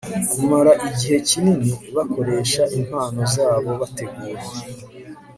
kumara igihe kinini bakoresha impano zabo bategura